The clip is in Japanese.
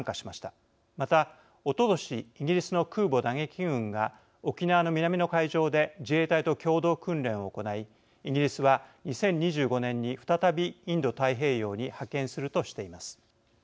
またおととしイギリスの空母打撃群が沖縄の南の海上で自衛隊と共同訓練を行いイギリスは２０２５年に再びインド太平洋に派遣するとしています。